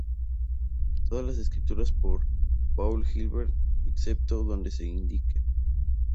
Todas escritas por Paul Gilbert excepto donde se indique.